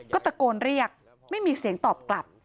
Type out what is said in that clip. ก็ตะโกนเรียกไม่มีเสียงตอบกลับ